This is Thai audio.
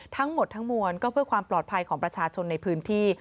ทั้งหมดทั้งมวลก็เพื่อความปลอดภัยของประชาชนในพื้นที่